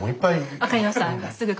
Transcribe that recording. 分かりました。